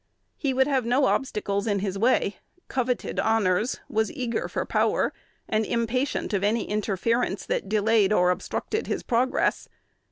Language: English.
He would have no "obstacles" in his way; coveted honors, was eager for power, and impatient of any interference that delayed or obstructed his progress.